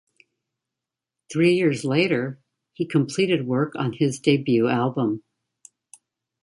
Three years later, he completed work on his debut album.